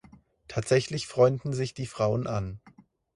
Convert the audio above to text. Tatsächlich freunden sich die Frauen an.